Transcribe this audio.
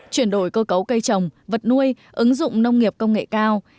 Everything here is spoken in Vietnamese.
chuyển đổi cơ cấu cây trồng vật nuôi ứng dụng nông nghiệp công nghệ cao